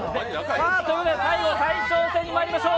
最後、大将戦にまいりましょう。